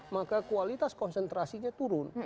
maka kualitas konsentrasinya turun